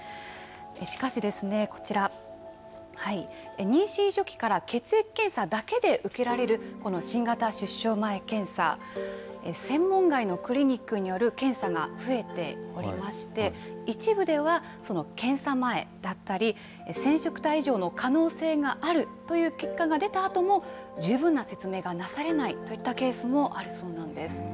しかし、こちら、妊娠初期から血液検査だけで受けられる、この新型出生前検査、専門外のクリニックによる検査が増えておりまして、一部では検査前だったり、染色体異常の可能性があるという結果が出たあとも、十分な説明がなされないといったケースがあるそうなんです。